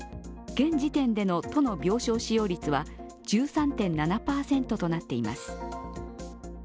現時点での都の病床使用率は１３．７％となっています。